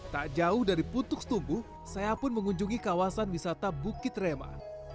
tak jauh dari putuk setumbu saya pun mengunjungi kawasan wisata bukit rema